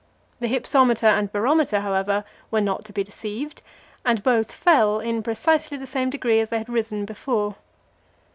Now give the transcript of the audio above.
The hypsometer and barometer, however, were not to be deceived, and both fell in precisely the same degree as they had risen before.